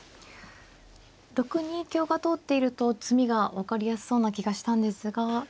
６二香が通っていると詰みが分かりやすそうな気がしたんですが。